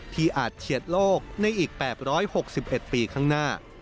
อาจเฉียดโลกในอีก๘๖๑ปีข้างหน้า